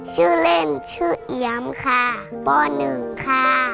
ชื่อเล่นชื่อเอี๊ยมค่ะป๑ค่ะ